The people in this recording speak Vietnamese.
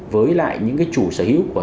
với lại những chủ sở hữu của